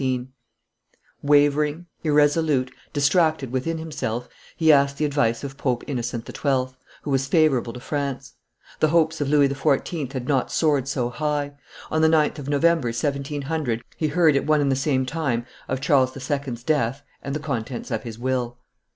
p. 16]; wavering, irresolute, distracted within himself, he asked the advice of Pope Innocent XII., who was favorable to France. The hopes of Louis XIV. had not soared so high; on the 9th of November, 1700, he heard at one and the same time of Charles II.'s death and the contents of his will.